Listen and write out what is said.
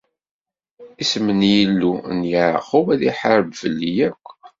Isem n Yillu n Yeɛqub ad iḥareb fell-ak!